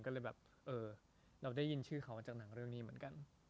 ก็เลยแบบเออเราได้ยินชื่อเขาจากหนังเรื่องนี้เหมือนกัน